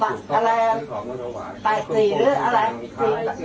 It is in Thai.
อาวุธแห่งแล้วพอเดินได้ผมว่าเจอบัตรภรรยากุศิษภัณฑ์